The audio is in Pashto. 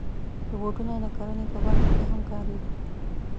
روبوټونه د کرنې په برخه کې هم کارېږي.